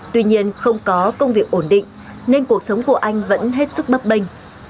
tuy nhiên không có công việc ổn định nên cuộc sống của anh vẫn hết sức bấp bênh